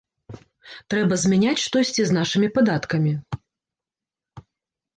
Трэба змяняць штосьці з нашымі падаткамі.